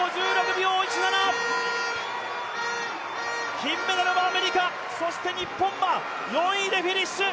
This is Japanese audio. ２分５６秒１７、金メダルはアメリカ、そして日本は４位でフィニッシュ。